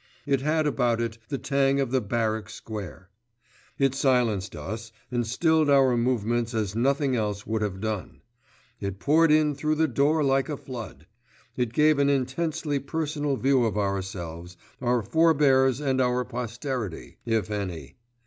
It had about it the tang of the barrack square. It silenced us and stilled our movements as nothing else would have done. It poured in through the door like a flood. It gave an intensely personal view of ourselves, our forebears and our posterity, if any.